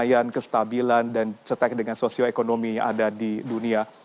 kedaian kestabilan dan cetak dengan sosioekonomi yang ada di dunia